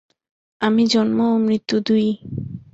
আমি জন্ম ও মৃত্যু দুই-ই।